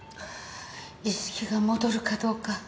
意識が戻るかどうか。